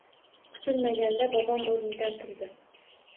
Kutilmaganda bobom o`rnidan turdi